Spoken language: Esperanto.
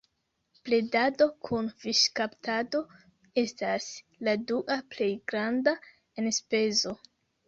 Bredado kun fiŝkaptado estas la dua plej granda enspezo.